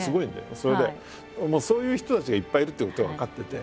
それでそういう人たちがいっぱいいるっていうことは分かってて。